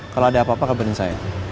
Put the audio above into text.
kalau ada apa apa kabarin saya